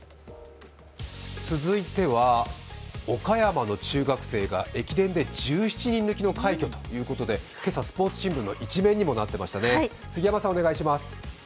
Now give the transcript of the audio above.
続いては岡山の中学生が駅伝で１７人抜きの快挙ということで、今朝、スポーツ新聞の１面にもなっていましたね。